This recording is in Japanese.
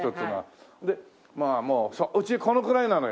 でまあもうそううちこのくらいなのよ